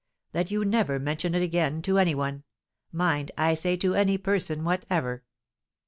"That you never mention it again to any one, mind, I say to any person whatever."